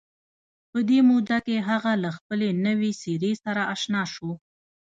په دې موده کې هغه له خپلې نوې څېرې سره اشنا شو